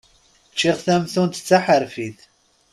Ččiɣ tamtunt d taḥerfit.